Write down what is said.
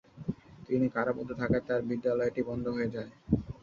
তিনি কারারুদ্ধ থাকায় তার বিদ্যালয়টি বন্ধ হয়ে যায়।